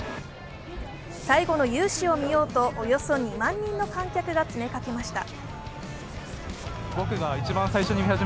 最後の雄姿を見ようとおよそ２万人の観客が詰めかけました。